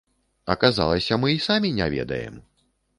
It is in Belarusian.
Аказалася, мы і самі не ведаем.